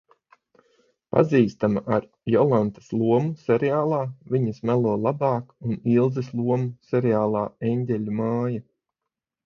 Pazīstama ar Jolantas lomu seriālā Viņas melo labāk un Ilzes lomu seriālā Eņģeļu māja.